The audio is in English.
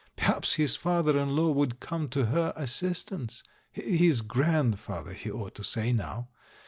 Perhaps his father in law would come to her as sistance? — his "grandfather," he ought to say now!